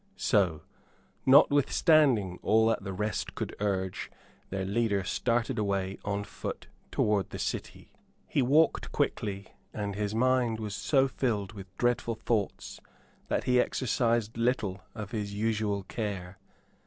So, notwithstanding all that the rest could urge, their leader started away on foot towards the city. He walked quickly, and his mind was so filled with dreadful thoughts that he exercised little of his usual care.